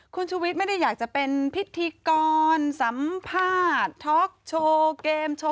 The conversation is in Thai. คุณชุวิตไม่ได้อยากจะเป็นพิธีกรสัมภาษณ์ท็อกโชว์เกมโชว์